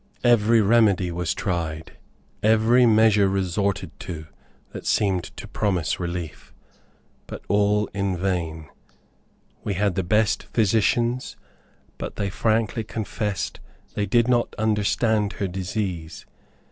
Every remedy was tried every measure resorted to, that seemed to promise relief, but all in vain. We had the best physicians, but they frankly confessed that they did not understand her disease.